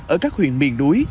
ở các huyện miền núi